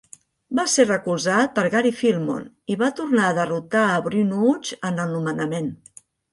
Va ser recolzat per Gary Filmon, i va tornar a derrotar a Bruinooge en el nomenament.